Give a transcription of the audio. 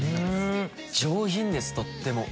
上品ですとっても。